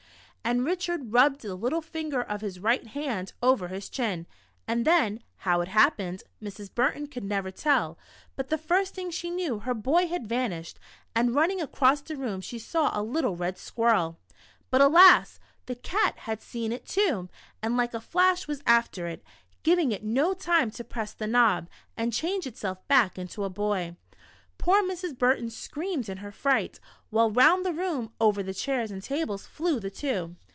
And Richard rubbed the little fin^rer of his rio^ht hand over his chin, and then, how it happened }^lrs. Burton could never tell, but the first thing she knew, her boy had vanished, and running across the room she saw a little red squirrel ! But alas ! the cat had seen it, too, and like a flash was after it, giving it no time to press the knob, and change itself back into a boy. Poor Mrs. Burton screamed in her fright, while round the room, over chairs and tables, flew the two